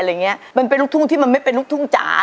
เพราะว่าเพราะว่าเพราะว่าเพราะ